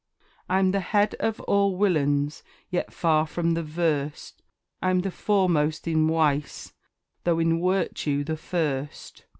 I'm the head of all Willains, yet far from the Vurst I'm the foremost in Wice, though in Wirtue the first.